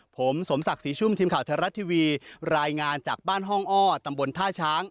ผมสมศักดิ์ศรีชุ่มทีมข่าวไทยรัฐทีวีรายงานจากบ้านห้องอ้อตำบลท่าช้าง